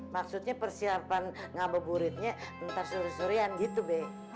maksudnya persiapan ngapu buritnya bentar sore sorean gitu be